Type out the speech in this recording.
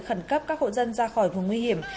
khẩn cấp các hộ dân ra khỏi vùng nguy hiểm